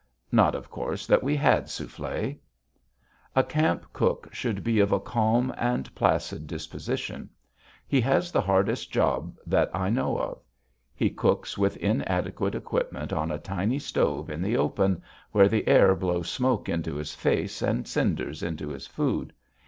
Not, of course, that we had soufflé. A camp cook should be of a calm and placid disposition. He has the hardest job that I know of. He cooks with inadequate equipment on a tiny stove in the open, where the air blows smoke into his face and cinders into his food.